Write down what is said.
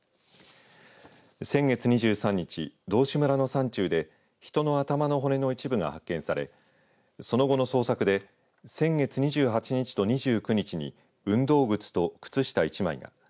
先月２３日、道志村の山中で人の頭の骨の一部が発見されその後の捜索で先月２８日と２９日に運動靴と靴下１枚が。